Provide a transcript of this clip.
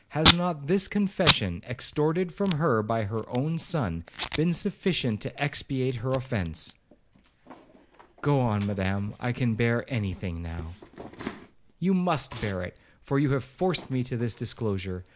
Has not this confession, extorted from her by her own son, been sufficient to expiate her offence?' 'Go on, Madam, I can bear any thing now.' 'You must bear it, for you have forced me to this disclosure.